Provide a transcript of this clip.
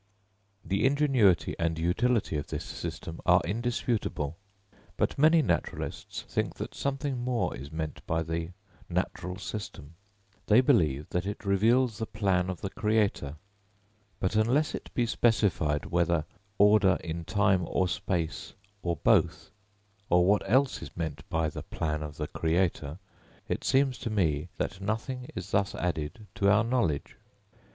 The ingenuity and utility of this system are indisputable. But many naturalists think that something more is meant by the Natural System; they believe that it reveals the plan of the Creator; but unless it be specified whether order in time or space, or both, or what else is meant by the plan of the Creator, it seems to me that nothing is thus added to our knowledge.